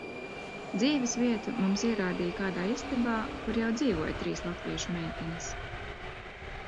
Dzīves vietu mums ierādīja kādā istabā, kur jau dzīvoja trīs latviešu meitenes.